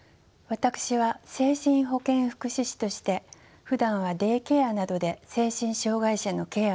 私は精神保健福祉士としてふだんはデイケアなどで精神障がい者のケアを行う仕事をしています。